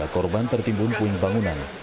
tiga korban tertimbun puing bangunan